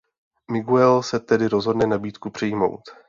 Miguel se tedy rozhodne nabídku přijmout.